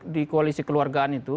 di koalisi keluargaan itu